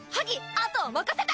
あとは任せた！